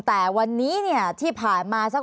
ภารกิจสรรค์ภารกิจสรรค์